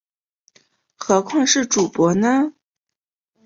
何况是主簿呢？